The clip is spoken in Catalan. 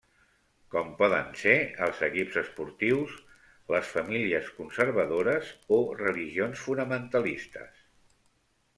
Com poden ser els equips esportius, les famílies conservadores o religions fonamentalistes.